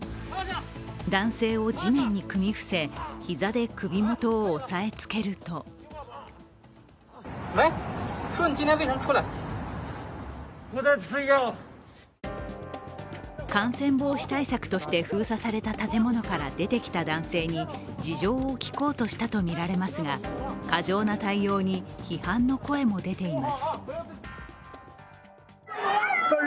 男性を地面に組み伏せ膝で首元を押さえつけると感染防止対策として封鎖された建物から出てきた男性に事情を聴こうとしたとみられますが過剰な対応に批判の声も出ています。